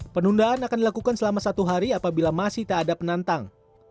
penundaan akan dilakukan selama satu hari apabila masih tak ada penantang